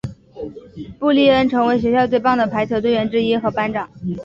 布丽恩成为学校最棒的排球队员之一和班长。